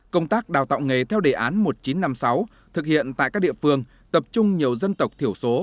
công tác đào tạo nghề theo đề án một nghìn chín trăm năm mươi sáu thực hiện tại các địa phương tập trung nhiều dân tộc thiểu số